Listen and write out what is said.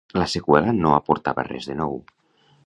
La seqüela no aportava res de nou.